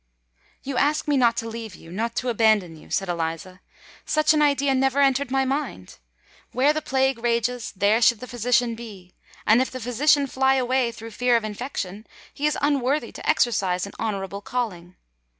_" "You ask me not to leave you—not to abandon you," said Eliza: "such an idea never entered my mind. Where the plague rages, there should the physician be; and if the physician fly away through fear of infection, he is unworthy to exercise an honourable calling.